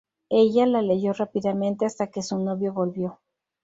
Ella la leyó rápidamente hasta que su novio volvió.